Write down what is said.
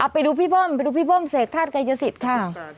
ไปดูพี่เบิ้มเสกธาตุกายศิษย์ค่ะ